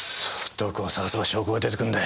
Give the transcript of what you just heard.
どこを捜せば証拠が出てくんだ。